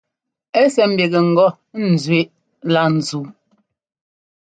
Ɛ́ sɛ́ ḿbígɛ ŋgɔ ńzẅíꞌ lá ńzúu.